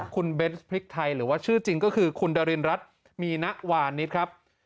คุณเบนส์พริกไทยหรือว่าชื่อจริงก็คือคุณดารินรัฐมีณวานิดครับ